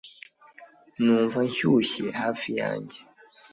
numva nshyushye hafi yanjye